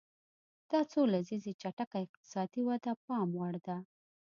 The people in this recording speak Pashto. دا څو لسیزې چټکه اقتصادي وده د پام وړ ده.